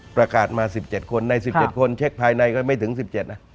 ประกาศมา๑๗คนใน๑๗คนเช็คภายในก็ไม่ถึง๑๗นะ